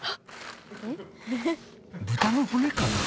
豚の骨かな？